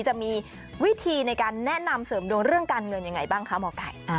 จะมีวิธีในการแนะนำเสริมดวงเรื่องการเงินยังไงบ้างคะหมอไก่